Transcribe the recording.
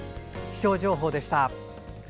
気象情報でした。